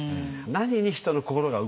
何に人の心が動くか